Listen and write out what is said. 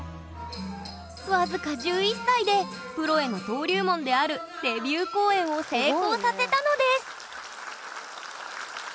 僅か１１歳でプロへの登竜門であるデビュー公演を成功させたのです！